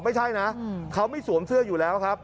ไม่ใช่นะเขาไม่สวมเสื้ออยู่แล้วครับ